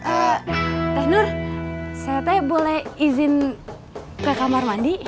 eh teh nur saya teh boleh izin ke kamar mandi